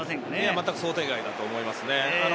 まったく想定外だと思いますね。